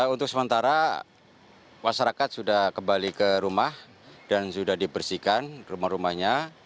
untuk sementara masyarakat sudah kembali ke rumah dan sudah dibersihkan rumah rumahnya